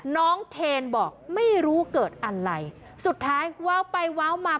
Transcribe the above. น้องเทนบอกไม่รู้เกิดอะไรสุดท้ายว้าวไปว้าวมา